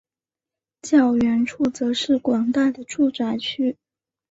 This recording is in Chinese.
较远处则是广大的住宅区。